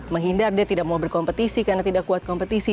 menghindar dia tidak mau berkompetisi karena tidak kuat kompetisi